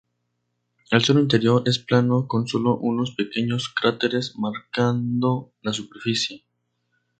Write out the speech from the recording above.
El suelo interior es plano, con sólo unos pequeños cráteres marcando la superficie.